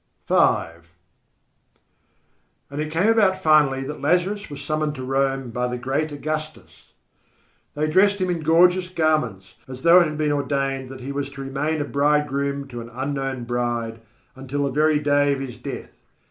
V And it came about finally that Lazarus was summoned to Rome by the great Augustus. They dressed him in gorgeous garments as though it had been ordained that he was to remain a bridegroom to an unknown bride until the very day of his death.